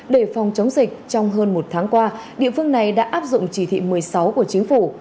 để phòng chống dịch trong hơn một tháng qua địa phương này đã áp dụng chỉ thị một mươi sáu của chính phủ